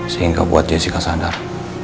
sehingga buat jessica sadar